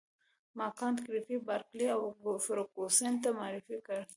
ما کانت ګریفي بارکلي او فرګوسن ته معرفي کړ.